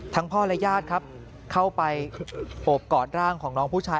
พ่อและญาติครับเข้าไปโอบกอดร่างของน้องผู้ชาย